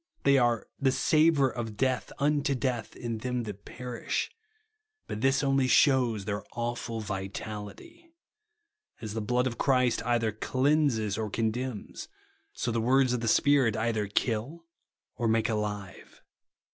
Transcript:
They are "the savour of death unto death in them that perish ;" but this only shevv's their awful vitality. As the blood of Christ either cleanses or condemns, so the words of the Spirit either kill or make alive.